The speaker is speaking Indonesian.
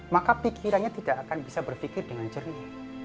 maka pikirannya tidak akan bisa berpikir dengan jernih